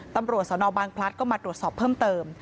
ตำรวจสนบางพลัดก็มาตรวจสอบเพิ่มเติม